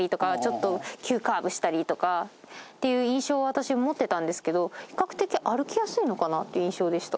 私は持ってたんですけど比較的歩きやすいのかなって印象でした。